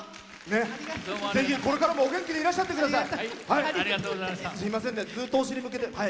ぜひ、これからもお元気でいらっしゃってください。